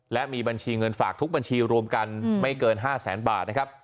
และมีบัญชีเงินฝากทุกบัญชีรวมกันไม่เกิน๕แสนบาทนะครับ